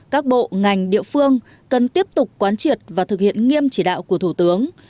các bộ ngành địa phương cần tiếp tục quán triệt và thực hiện nghiêm chỉ đạo của thủ tướng